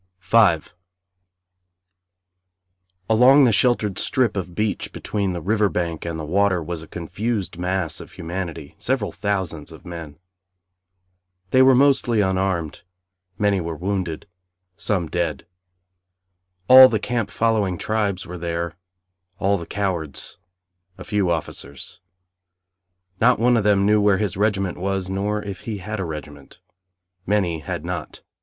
V Along the sheltered strip of beach between the river bank and the water was a confused mass of humanity several thousands of men. They were mostly unarmed; many were wounded; some dead. All the camp following tribes were there; all the cowards; a few officers. Not one of them knew where his regiment was, nor if he had a regiment. Many had not.